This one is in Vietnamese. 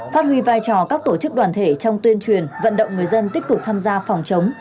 phát huy vai trò các tổ chức đoàn thể trong tuyên truyền vận động người dân tích cực tham gia phòng chống